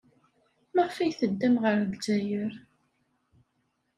Maɣef ay teddam ɣer Lezzayer?